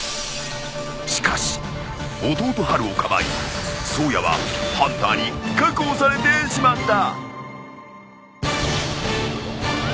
［しかし弟ハルをかばい颯也はハンターに確保されてしまった］